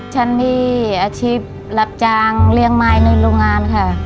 ฉันมีอาชีพรับจ้างเลี้ยงไม้ในโรงงานค่ะ